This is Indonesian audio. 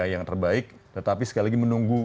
yang terbaik tetapi sekali lagi menunggu